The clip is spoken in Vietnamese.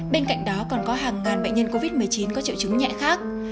bên cạnh đó còn có hàng ngàn bệnh nhân covid một mươi chín có triệu chứng nhẹ khác